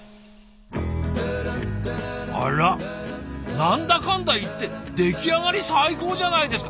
あらなんだかんだ言って出来上がり最高じゃないですか。